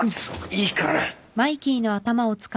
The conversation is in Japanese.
いいから。